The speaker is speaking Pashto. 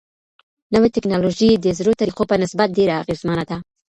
نوي ټيکنالوژي د زړو طريقو په نسبت ډيره اغيزمنه ده.